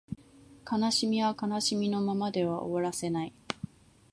悲しみは悲しみのままでは終わらせない